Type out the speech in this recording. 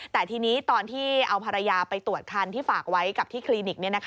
แต่ทีนี้ตอนที่เอาภรรยาไปตรวจคันที่ฝากไว้กับที่คลินิก